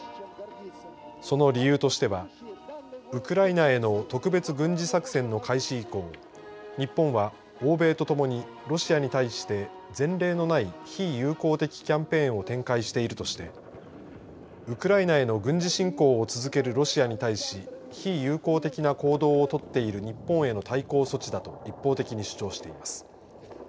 その理由としてはウクライナへの特別軍事作戦の開始以降日本は、欧米とともにロシアに対して前例のない非友好的キャンペーンを展開しているとしてウクライナへの軍事侵攻を続けるロシアに対し非友好的な行動を取っている日本への対抗措置だと一方的に主張しています。